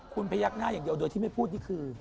คุณพยักหน้าอย่างเดียวโดยที่ไม่พูดนี่คือ